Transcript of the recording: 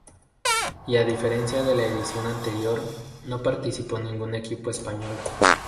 Y a diferencia de la edición anterior, no participó ningún equipo español.